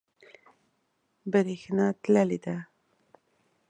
بریښنا تللی ده